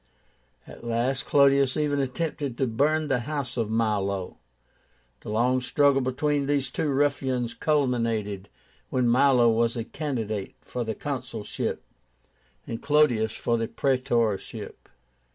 At last Clodius even attempted to burn the house of Milo. The long struggle between these two ruffians culminated when Milo was a candidate for the consulship, and Clodius for the praetorship.